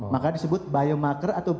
maka disebut biomarker atau